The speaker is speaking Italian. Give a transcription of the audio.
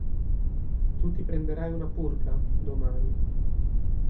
Tu ti prenderai una purga, domani.